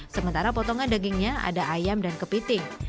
sementara potongan dagingnya ada ayam dan kepiting